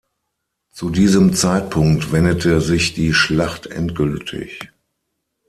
Zu diesem Zeitpunkt wendete sich die Schlacht endgültig.